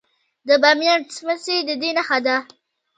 د بامیان سمڅې د دې نښه ده